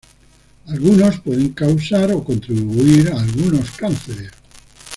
Algunos pueden causar o contribuir a algunos cánceres.